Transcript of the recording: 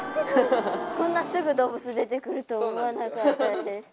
こんなすぐ動物出てくると思わなかったんで。